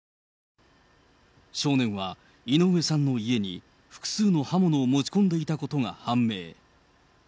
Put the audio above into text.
少年は井上さんの家に、複数の刃物を持ち込んでいたことが判明。